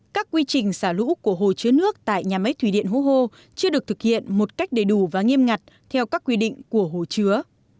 các quy trình xả lũ của hồ chứa nước tại nhà máy thủy điện hố hô chưa được thực hiện một cách đầy đủ và nghiêm ngặt theo các quy định của hồ chứa